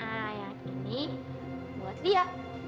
nah yang ini buat dia